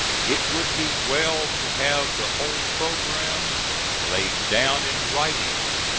It would be well to have the whole programme laid down in writing.